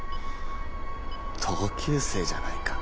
同級生じゃないか。